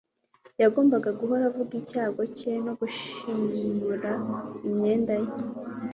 Yagombaga guhora avuga icyago cye no gushishimura imyenda ye,